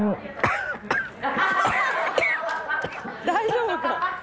「大丈夫か？」